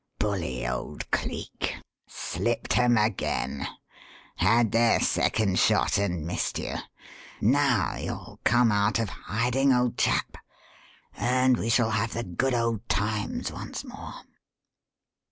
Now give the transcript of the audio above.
Bully old Cleek! Slipped 'em again! Had their second shot and missed you! Now you'll come out of hiding, old chap, and we shall have the good old times once more."